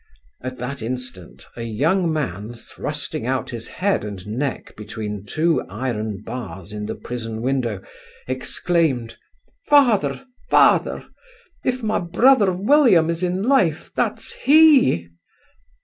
At that instant a young man, thrusting out his head and neck between two iron bars in the prison window, exclaimed, 'Father! father! if my brother William is in life, that's he!